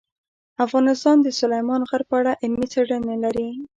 افغانستان د سلیمان غر په اړه علمي څېړنې لري.